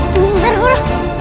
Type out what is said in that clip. tunggu sebentar guru